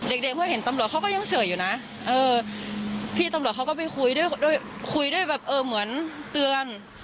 เด็กเด็กว่าเห็นตำรวจเขาก็ยังเฉยอยู่นะเออพี่ตำรวจเขาก็ไปคุยด้วยคุยด้วยแบบเออเหมือนเตือน